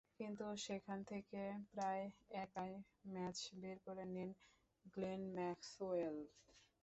কিন্তু সেখান থেকে প্রায় একাই ম্যাচ বের করে নেন গ্লেন ম্যাক্সওয়েল।